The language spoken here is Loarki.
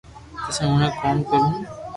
پسي اوتي ڪوم ڪرو ھون